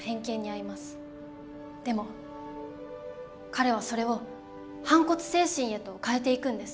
でも彼はそれを反骨精神へと変えていくんです。